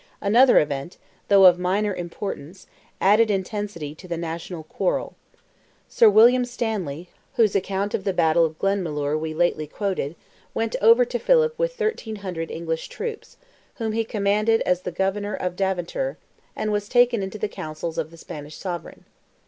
Another event, though of minor importance, added intensity to the national quarrel. Sir William Stanley, whose account of the battle of Glenmalure we lately quoted, went over to Philip with 1,300 English troops, whom he commanded as Governor of Daventer, and was taken into the counsels of the Spanish sovereign.